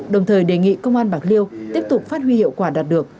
đồng thời đề nghị công an bạc liêu tiếp tục phát huy hiệu quả đạt được